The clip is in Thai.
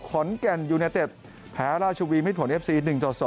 ขอนแก่นยูนาเต็ดแพ้ราชบุรีมิตรผลเอฟซี๑๒